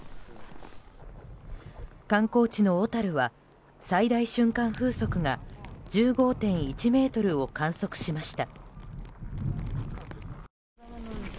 観光地の小樽は最大瞬間風速が１５．１メートルを観測しました。